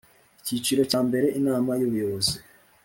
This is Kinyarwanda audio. Icyiciro cya mbere Inama y Ubuyobozi